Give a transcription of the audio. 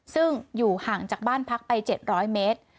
ซึ่งอยู่ห่างจากบ้านพักไป๗๐๐เมตร